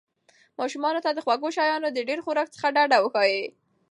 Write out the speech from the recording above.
ماشومانو ته د خوږو شیانو د ډېر خوراک څخه ډډه وښایئ.